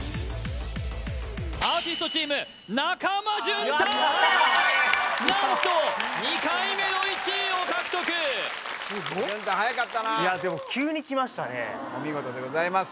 アーティストチーム中間淳太はやい何と２回目の１位を獲得すごっ淳太はやかったないやでも急にきましたねお見事でございます